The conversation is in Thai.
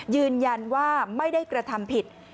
ยืนยันว่าไม่ได้กระทำผิด